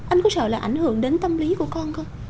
anh có sợ là ảnh hưởng đến tâm lý của con thôi